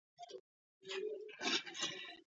მას დიდი ხანია იყენებენ იუველირები როგორც ძვირფას ქვას.